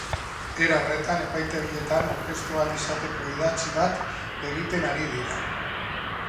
Era horretan, epaitegietan aurkeztu ahal izateko idatzi bat egiten ari dira.